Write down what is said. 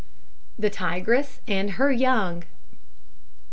THE TIGRESS AND HER YOUNG.